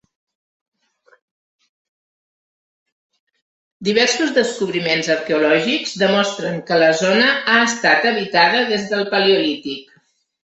Diversos descobriments arqueològics demostren que la zona ha estat habitada des del paleolític.